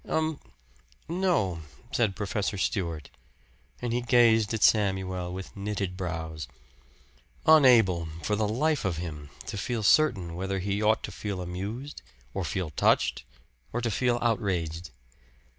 "Um no," said Professor Stewart; and he gazed at Samuel with knitted brows unable, for the life of him, to feel certain whether he ought to feel amused, or to feel touched, or to feel outraged.